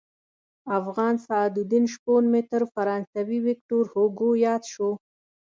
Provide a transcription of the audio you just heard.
افغان سعدالدین شپون مې تر فرانسوي ویکتور هوګو ياد شو.